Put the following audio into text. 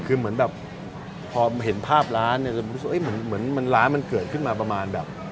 คือเหมือนแบบพอเห็นภาพร้านเนี่ยจะรู้สึกเหมือนมันร้านมันเกิดขึ้นมาประมาณแบบ